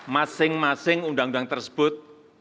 masing masing undang undang tersebut